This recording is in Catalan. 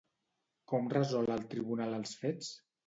Com resol el tribunal els fets?